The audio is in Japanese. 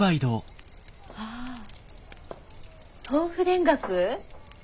ああ豆腐田楽？